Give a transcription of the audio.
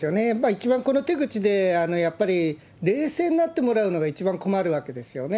一番この手口でやっぱり、冷静になってもらうのが一番困るわけですよね。